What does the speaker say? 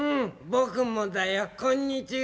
ぼくもだよこんにちは。